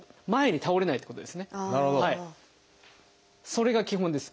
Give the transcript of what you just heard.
それが基本です。